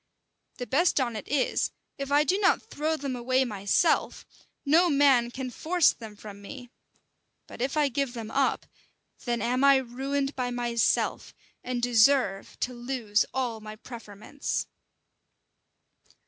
The best on it is, if I do not throw them away myself, no man can force them from me: but if I give them up, then am I ruined by myself, and deserve to lose all my preferments."